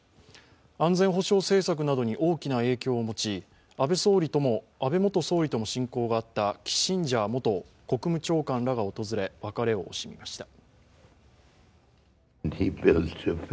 安全保障政策などに大きな影響を持ち、安倍元総理とも親交があったキッシンジャー元国務長官らが訪れ、別れを惜しみました。